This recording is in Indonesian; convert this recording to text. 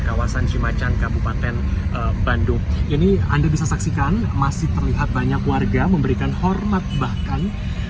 kawasan cimacan kabupaten bandung ini anda bisa saksikan masih terlihat banyak warga memberikan hormat bahkan